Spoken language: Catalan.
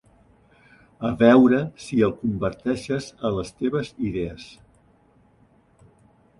A veure si el converteixes a les teves idees.